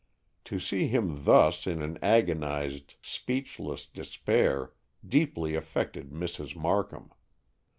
To see him thus in an agonized, speechless despair deeply affected Mrs. Markham.